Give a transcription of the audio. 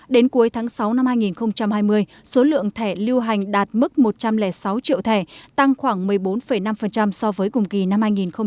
đến cuối tháng sáu năm hai nghìn hai mươi số lượng thẻ lưu hành đạt mức một trăm linh sáu triệu thẻ tăng khoảng một mươi bốn năm so với cùng kỳ năm hai nghìn một mươi chín